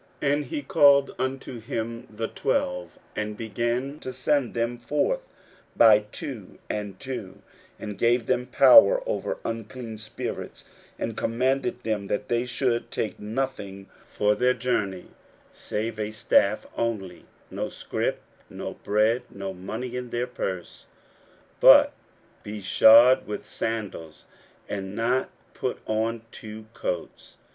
41:006:007 And he called unto him the twelve, and began to send them forth by two and two; and gave them power over unclean spirits; 41:006:008 And commanded them that they should take nothing for their journey, save a staff only; no scrip, no bread, no money in their purse: 41:006:009 But be shod with sandals; and not put on two coats.